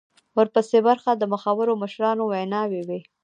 ورپسې برخه د مخورو مشرانو ویناوي وې.